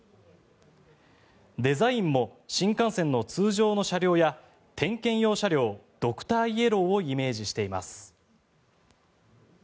デザインも新幹線の通常の車両や点検用車両ドクターイエローをイメージしています。